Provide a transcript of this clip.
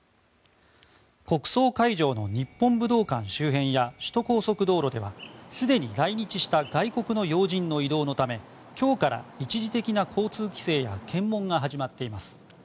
国葬会場の日本武道館周辺や首都高速道路ではすでに来日した外国の要人の移動のため今日から、一時的な交通規制や検問が始まっています。